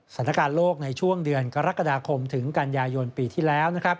สถานการณ์โลกในช่วงเดือนกรกฎาคมถึงกันยายนปีที่แล้ว